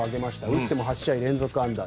打っても８試合連続安打。